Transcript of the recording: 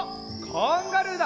カンガルーだ！